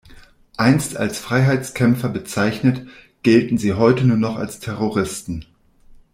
Einst als Freiheitskämpfer bezeichnet, gelten sie heute nur noch als Terroristen.